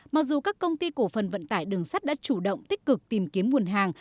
mặc dù các công ty cổ phần vận tải đường sắt đã chủ động tích cực tìm kiếm nguồn hàng